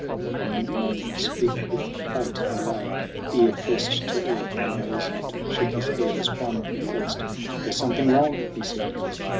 For many moments big with fate, he lay, Ear pressed to earth; then rose and shook his head As one perplexed. "There's something wrong," he said.